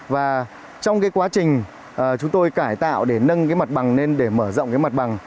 và trong cái quá trình chúng tôi cải tạo để nâng cái mặt bằng lên để mở rộng cái mặt bằng